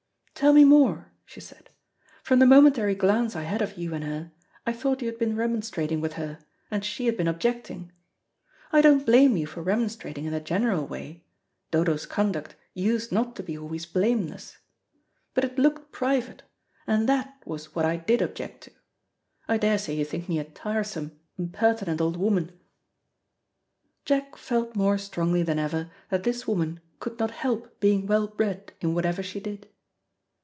"Tell me more," she said. "From the momentary glance I had of you and her, I thought you had been remonstrating with her, and she had been objecting. I don't blame you for remonstrating in the general way. Dodo's conduct used not to be always blameless. But it looked private, and that was what I did object to. I daresay you think me a tiresome, impertinent, old woman." Jack felt more strongly than ever that this woman could not help being well bred in whatever she did.